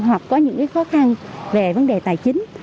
hoặc có những khó khăn về vấn đề tài chính